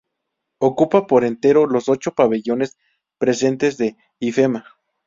Ocupa por entero los ocho pabellones presentes en Ifema.